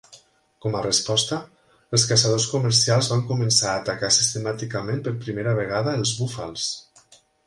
Com a resposta, els caçadors comercials van començar a atacar sistemàticament per primera vegada els búfals.